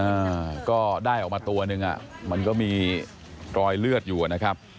อ่าก็ได้ออกมาตัวหนึ่งอ่ะมันก็มีรอยเลือดอยู่อ่ะนะครับ